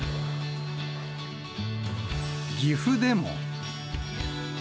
岐阜でも。